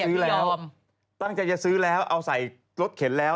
ซื้อแล้วตั้งใจจะซื้อแล้วเอาใส่รถเข็นแล้ว